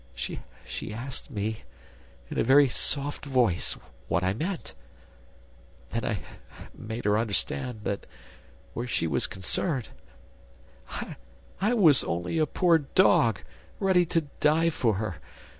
... She asked me, in a very soft voice, what I meant ... Then I made her understand that, where she was concerned, I was only a poor dog, ready to die for her